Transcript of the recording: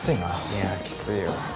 いやきついよ